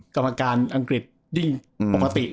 กรรมการอังกฤษดิ้งปกติ